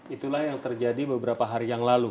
itulah yang terjadi beberapa hari yang lalu